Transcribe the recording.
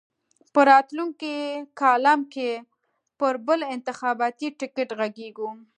په راتلونکي کالم کې پر بل انتخاباتي ټکټ غږېږو.